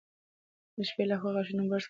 د شپې لخوا غاښونه برس کړئ.